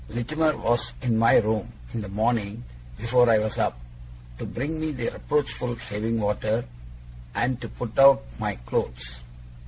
Littimer was in my room in the morning before I was up, to bring me that reproachful shaving water, and to put out my clothes.